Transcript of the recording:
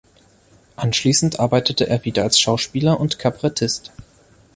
Anschließend arbeitete er wieder als Schauspieler und Kabarettist.